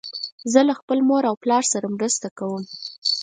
زه له خپل مور او پلار سره مرسته کوم.